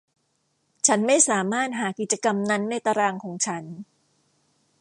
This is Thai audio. ฉันไม่สามารถหากิจกรรมนั้นในตารางของฉัน